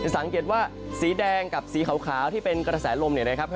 สังเกตว่าสีแดงกับสีขาวที่เป็นกระแสลมเนี่ยนะครับ